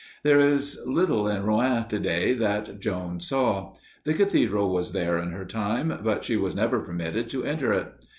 There is little in Rouen to day that Joan saw. The cathedral was there in her time, but she was never permitted to enter it.